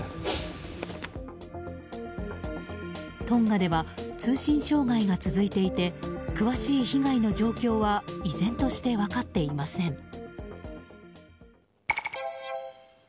トンガでは通信障害が続いていて詳しい被害の状況は依然として分かっていません。